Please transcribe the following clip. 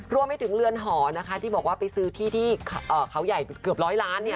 รวมไปถึงเรือนหอนะคะที่บอกว่าไปซื้อที่ที่เขาใหญ่เกือบร้อยล้าน